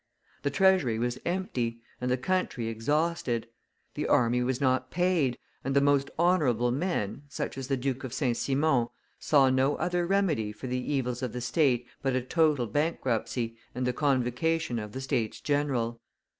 The treasury was empty, and the country exhausted; the army was not paid, and the most honorable men, such as the Duke of St. Simon, saw no other remedy for the evils of the state but a total bankruptcy, and the convocation of the States general.